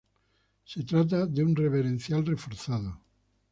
Se trata de un reverencial reforzado.